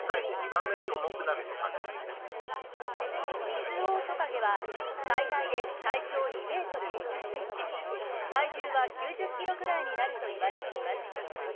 ミズオオトカゲは最大で体長２メートル５０センチ体重は９０キロくらいになるといわれています。